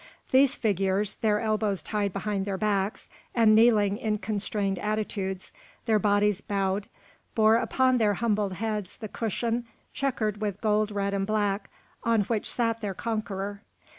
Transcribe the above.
These figures, their elbows tied behind their backs, and kneeling in constrained attitudes, their bodies bowed, bore upon their humbled heads the cushion, checkered with gold, red, and black, on which sat their conqueror.